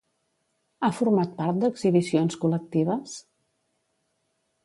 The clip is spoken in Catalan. Ha format part d'exhibicions col·lectives?